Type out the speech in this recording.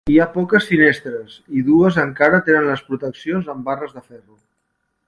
Hi ha poques finestres, i dues encara tenen les proteccions amb barres de ferro.